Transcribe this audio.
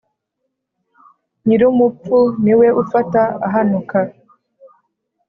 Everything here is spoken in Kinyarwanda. Nyirumupfu ni we ufata ahanuka.